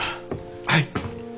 はい。